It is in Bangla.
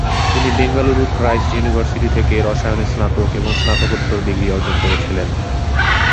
তিনি বেঙ্গালুরুর ক্রাইস্ট ইউনিভার্সিটি থেকে রসায়নে স্নাতক এবং স্নাতকোত্তর ডিগ্রি অর্জন করেছিলেন।